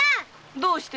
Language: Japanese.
どうして？